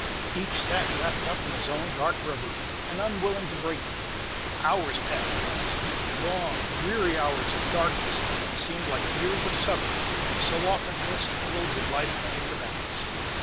Each sat wrapped up in his own dark reveries, and unwilling to break them. Hours passed thus, long, dreary hours of darkness, that seemed like years of suffering, so often in this interval did life hang in the balance.